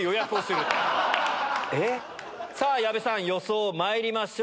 さあ、矢部さん、予想まいりましょう。